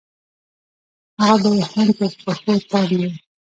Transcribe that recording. هغه به يې هم په پښو تنګ وو.